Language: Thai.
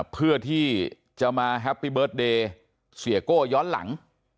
เพื่อที่จะมาแฮปปี้เบิร์ตเดย์เสียโก้ย้อนหลัง